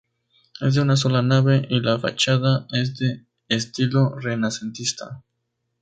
Es de una sola nave y la fachada es de estilo renacentista.